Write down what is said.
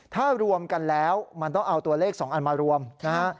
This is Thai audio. ถ้ารวมกันแล้วมันต้องเอาตัวเลข๒อันมารวมนะฮะ